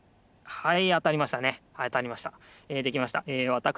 はい。